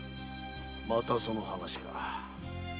またその話か。